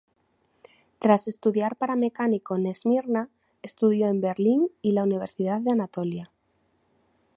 Tras estudiar para mecánico en Esmirna, estudió en Berlín y la Universidad de Anatolia.